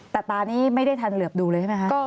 แต่ตานี้ไม่ได้ทันเหลือบดูเลยใช่ไหมคะ